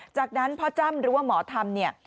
จากนั้นพ่อจ้ำหรือว่าหมอธรรมเนี่ย